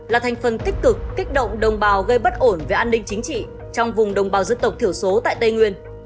là thành phần tích cực kích động đồng bào gây bất ổn về an ninh chính trị trong vùng đồng bào dân tộc thiểu số tại tây nguyên